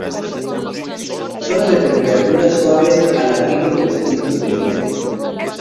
Zona de temperaturas suaves al abrigo de los vientos del norte.